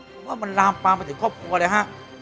ผมว่ามันลามปลามาถึงครอบครัวเลยฮะ